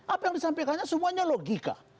apa yang disampaikannya semuanya logika